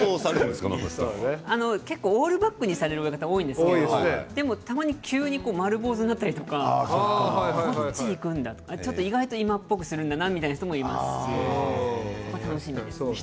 オールバックにされる親方多いんですがたまに急に丸坊主になったりとかそっちにいくんだと意外と今っぽくするんだなという人もいます。